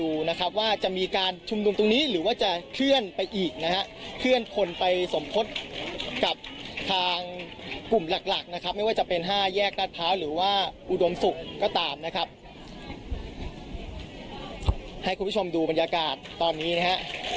อุดมตรงนี้หรือว่าจะเคลื่อนไปอีกนะฮะเคลื่อนคนไปสมทดกับทางกลุ่มหลักหลักนะครับไม่ว่าจะเป็นห้าแยกรัฐพร้าวหรือว่าอุดมศุกร์ก็ตามนะครับให้คุณผู้ชมดูบรรยากาศตอนนี้นะฮะ